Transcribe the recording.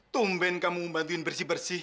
tumben kamu bantuin bersih bersih